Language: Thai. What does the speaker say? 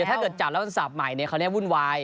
ถ้าเกิดจับแล้วจะสับใหม่เขาเรียกวุ่นวาย